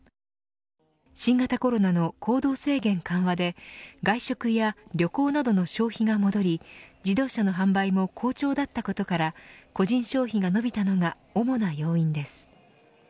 新型コロナの行動制限緩和で外食や旅行などの消費が戻り自動車の販売も好調だったことから個人消費が伸びたのが主な要因です。